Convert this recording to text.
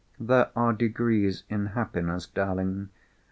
"There are degrees in happiness, darling.